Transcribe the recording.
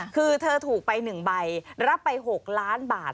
คือเธอถูกไป๑ใบรับไป๖ล้านบาท